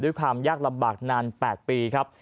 ด้วยความยากลำบากนาน๘ปีครับ